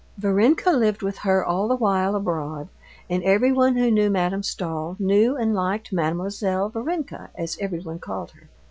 Varenka lived with her all the while abroad, and everyone who knew Madame Stahl knew and liked Mademoiselle Varenka, as everyone called her.